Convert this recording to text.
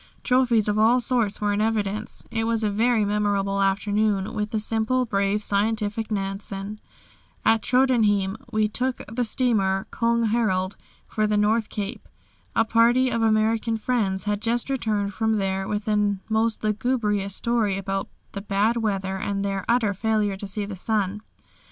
Trophies of all sorts were in evidence. It was a very memorable afternoon with the simple, brave, scientific Nansen. At Tröndhjem we took the steamer "Köng Harald" for the North Cape. A party of American friends had just returned from there with the most lugubrious story about the bad weather and their utter failure to see the sun.